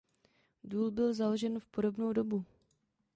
Důl byl založen v podobnou dobu.